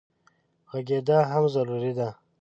غږېدا هم ضروري ده.